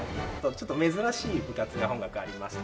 ちょっと珍しい部活が本学ありまして。